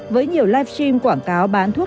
với nhiều live stream quảng cáo bán thuốc